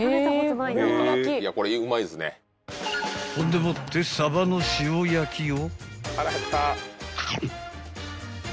［ほんでもってさばの塩焼を］